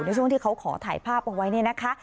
ในช่วงที่เขาขอถ่ายภาพเอาไว้เนี่ยนะคะ